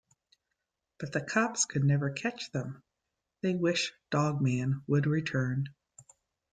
But the cops could never catch them, they wish Dog Man would return.